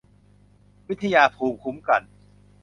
วิทยาภูมิคุ้มกัน